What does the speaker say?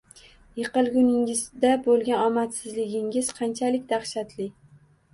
Yiqilguningizda bo’lgan omadsizligingiz qanchalik daxshatli